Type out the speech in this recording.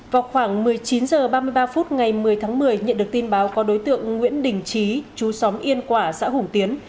vào khoảng một mươi chín h ba mươi ba phút ngày một mươi tháng một mươi nhận được tin báo có đối tượng nguyễn đình trí chú xóm yên quả xã hùng tiến